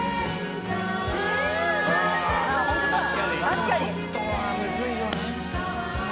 確かに。